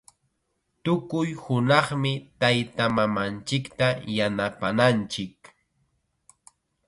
Tukuy hunaqmi taytamamanchikta yanapananchik.